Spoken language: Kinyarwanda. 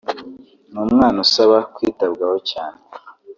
ni umwana usaba kwitabwaho cyane